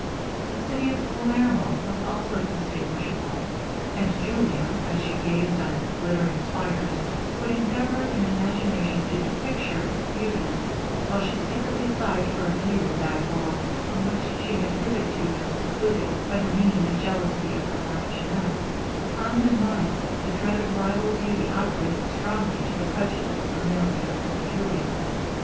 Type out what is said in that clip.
The city of Palermo was also distinguishable; and Julia, as she gazed on its glittering spires; would endeavour in imagination to depicture its beauties, while she secretly sighed for a view of that world, from which she had hitherto been secluded by the mean jealousy of the marchioness, upon whose mind the dread of rival beauty operated strongly to the prejudice of Emilia and Julia.